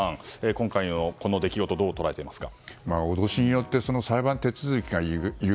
今回のこの出来事をどう捉えていますか。